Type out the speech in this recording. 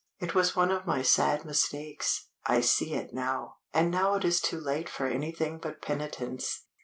It was one of my sad mistakes; I see it now; and now it is too late for anything but penitence.